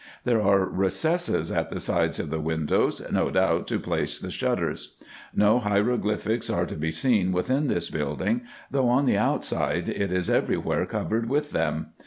There are recesses at the sides of the windows, no doubt to place the shutters. No hieroglyphics are to be seen within this building, though on the outside it is every where covered with them.